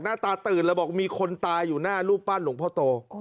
หน้าตาตื่นแล้วบอกมีคนตายอยู่หน้ารูปปั้นหลวงพ่อโต